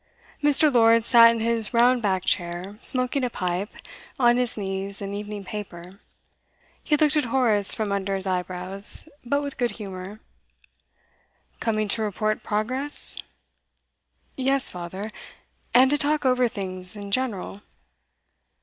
Mr. Lord sat in his round backed chair, smoking a pipe, on his knees an evening paper. He looked at Horace from under his eyebrows, but with good humour. 'Coming to report progress?' 'Yes, father, and to talk over things in general.